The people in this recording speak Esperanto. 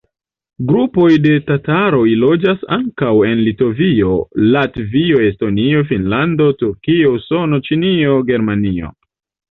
Grupoj de tataroj loĝas ankaŭ en Litovio, Latvio, Estonio, Finnlando, Turkio, Usono, Ĉinio, Germanio.